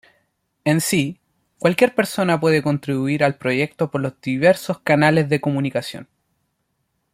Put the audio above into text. En sí, cualquier persona puede contribuir al proyecto por los diversos canales de comunicación.